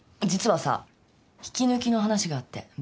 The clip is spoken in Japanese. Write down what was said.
実はさ引き抜きの話があって。